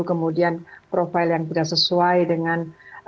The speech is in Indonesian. kemudian profil yang sudah sesuai dengan